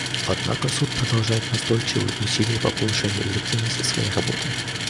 Однако Суд продолжает настойчивые усилия по повышению эффективности своей работы.